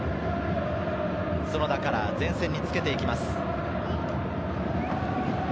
角田から前線につけていきます。